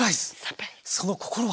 その心は？